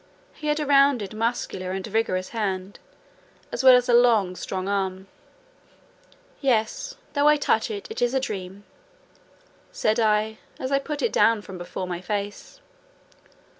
He had a rounded, muscular, and vigorous hand, as well as a long, strong arm. "Yes; though I touch it, it is a dream," said I, as I put it down from before my face.